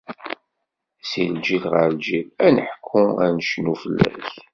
Si lǧil ɣer lǧil, an-neḥku, an-necnu fell-ak!